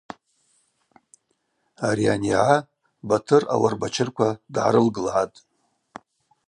Ари анйагӏа Батыр ауарбачырква дгӏарылгылгӏатӏ.